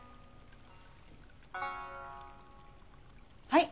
はい。